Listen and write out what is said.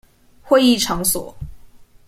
會議場所